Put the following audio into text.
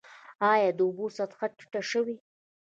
آیا د اوبو سطحه ټیټه شوې؟